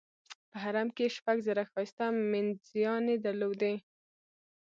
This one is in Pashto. په حرم کې یې شپږ زره ښایسته مینځیاني درلودې.